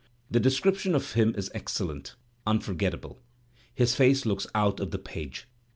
The description of him is excellent, unforgettable; his face looks out of the page.